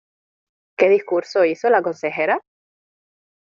¿Qué discurso hizo la consejera?